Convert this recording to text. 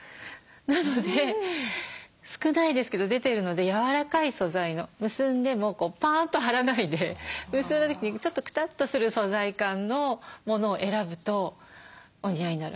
なので少ないですけど出てるので柔らかい素材の結んでもこうパーンと張らないで結んだ時にちょっとくたっとする素材感のものを選ぶとお似合いになるはずです。